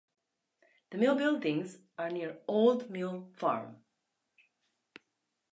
The mill buildings are near Old Mill Farm.